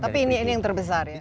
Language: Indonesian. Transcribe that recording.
tapi ini yang terbesar ya